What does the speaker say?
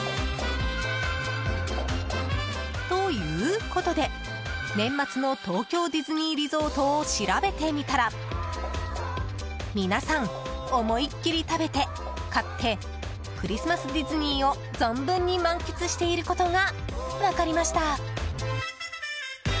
ということで年末の東京ディズニーリゾートを調べてみたら皆さん思いっきり食べて、買ってクリスマスディズニーを存分に満喫していることが分かりました。